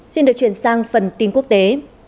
xin được chuyển sang phần tin quốc tế